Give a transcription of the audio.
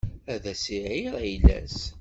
Ad s-iεir ayla-s.